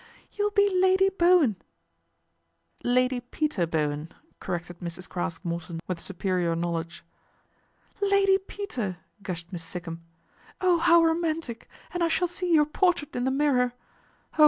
" You'll be Lady Bowen " "Lady Peter Bowen," corrected Mrs. Craske ; Morton with superior knowledge. " Lady Peter," gushed Miss Sikkum. " Oh hov' romantic, and I shall see your portrait in Tk Mirror. Oh